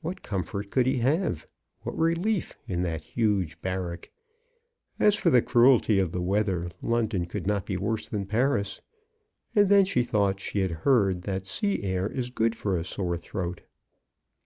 What comfort could he have, what relief, in that huge barrack? As for the cruelty of the weather, London could not be worse than Paris, and then she thought she had heard that sea air is good for a sore throat.